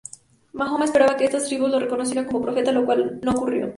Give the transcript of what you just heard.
Mahoma esperaba que estas tribus lo reconocieran como profeta, lo cual no ocurrió.